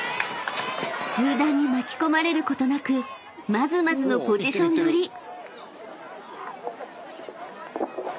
［集団に巻き込まれることなくまずまずのポジション取り］